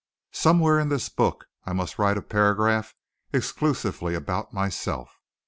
Somewhere in this book I must write a paragraph exclusively about myself.